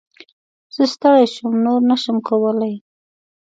زه ستړی شوم ، نور نه شم کولی !